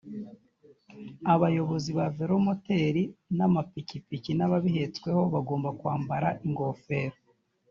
abayobozi ba velomoteri n amapikipiki n ababihetsweho bagomba kwambara ingofero